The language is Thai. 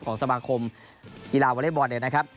สมาคมกีฬาวอเล็กบอลเนี่ยนะครับ